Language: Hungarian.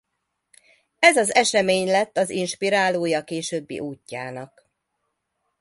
Ez az esemény lett az inspirálója későbbi útjának.